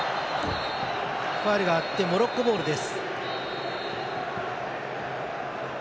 ファウルがあってモロッコボールです。